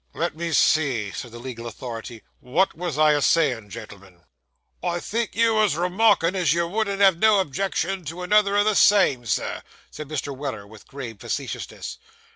'Let me see,' said the legal authority. 'What was I a saying, gentlemen?' 'I think you was remarkin' as you wouldn't have no objection to another o' the same, Sir,' said Mr. Weller, with grave facetiousness.